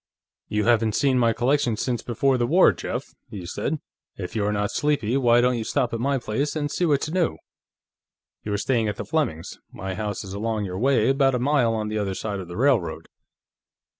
"You haven't seen my collection since before the war, Jeff," he said. "If you're not sleepy, why don't you stop at my place and see what's new? You're staying at the Flemings'; my house is along your way, about a mile on the other side of the railroad."